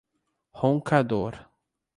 Roncador